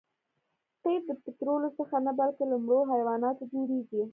قیر د پطرولو څخه نه بلکې له مړو حیواناتو جوړیږي